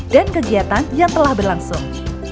dan kegiatan yang telah berlangsung